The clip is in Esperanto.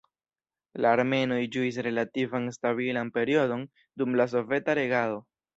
La armenoj ĝuis relativan stabilan periodon dum la soveta regado.